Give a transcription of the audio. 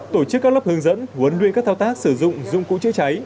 tổ chức các lớp hướng dẫn huấn luyện các thao tác sử dụng dụng cụ chữa cháy